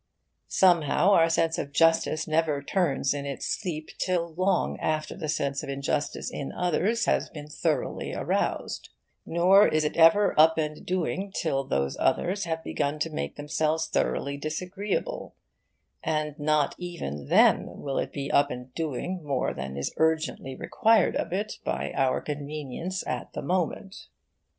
Somehow, our sense of justice never turns in its sleep till long after the sense of injustice in others has been thoroughly aroused; nor is it ever up and doing till those others have begun to make themselves thoroughly disagreeable, and not even then will it be up and doing more than is urgently required of it by our convenience at the moment.